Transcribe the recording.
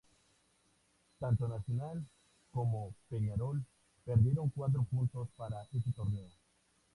Tanto Nacional como Peñarol perdieron cuatro puntos para ese torneo.